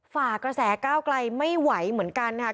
ฝ่ากระแสก้าวไกลไม่ไหวเหมือนกันค่ะ